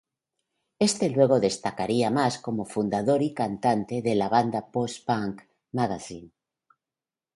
Éste luego destacaría más como fundador y cantante de la banda post-punk Magazine.